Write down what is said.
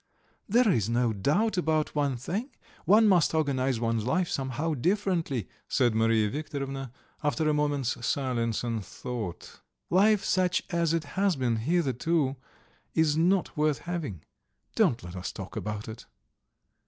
"There is no doubt about one thing: one must organize one's life somehow differently," said Mariya Viktorovna, after a moment's silence and thought. "Life, such as it has been hitherto, is not worth having. Don't let us talk about it."